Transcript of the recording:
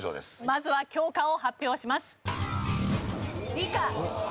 まずは教科を発表します。